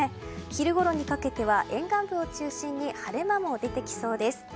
昼ごろにかけては沿岸部を中心に晴れ間も出てきそうです。